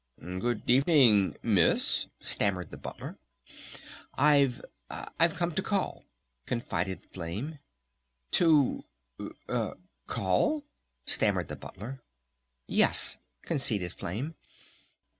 "Good evening, Miss!" stammered the Butler. "I've I've come to call," confided Flame. "To call?" stammered the Butler. "Yes," conceded Flame.